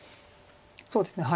そうですね。